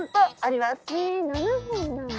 へえ７本なんだ。